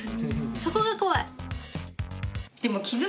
そこが怖い。